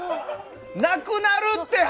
なくなるって、歯！